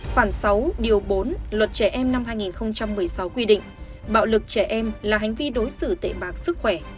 khoảng sáu điều bốn luật trẻ em năm hai nghìn một mươi sáu quy định bạo lực trẻ em là hành vi đối xử tệ bạc sức khỏe